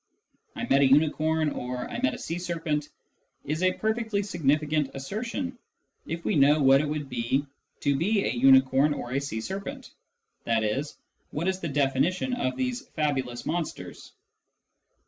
" I met a unicorn " or " I met a sea serpent " is a perfectly significant assertion, if we know what it would be to be a unicorn or a sea serpent, i.e. what is the definition of these fabulous monsters.